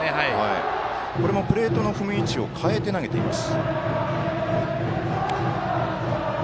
これもプレートの踏み位置を変えて投げています。